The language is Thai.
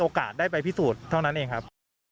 ได้ไปพิสูจน์เท่านั้นเองครับ